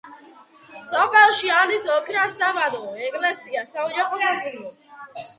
სოფელში არის ოქრას საბადო, ეკლესია, საოჯახო სასტუმრო.